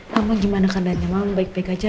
mama gimana keadaannya mama baik baik aja